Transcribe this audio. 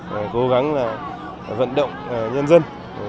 và cố gắng vận động nhân dân